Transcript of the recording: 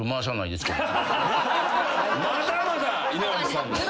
まだまだ稲垣さんに。